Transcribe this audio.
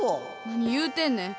何言うてんねん。